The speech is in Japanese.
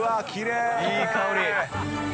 いい香り！